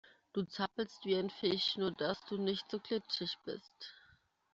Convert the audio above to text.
Du zappelst wie ein Fisch, nur dass du nicht so glitschig bist.